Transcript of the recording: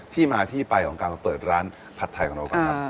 ที่มาที่ไปของการมาเปิดร้านผัดไทยของเราก่อนครับ